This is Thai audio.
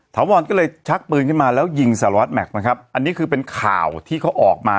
ถาวรก็เลยชักปืนขึ้นมาแล้วยิงสารวัตรแม็กซ์นะครับอันนี้คือเป็นข่าวที่เขาออกมา